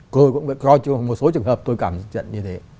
rồi cũng vậy có một số trường hợp tôi cảm nhận như thế